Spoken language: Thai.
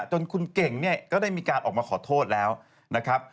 จนคุณเก่งเนี่ยก็ได้มีการออกมาขอโทษแล้วนะครับ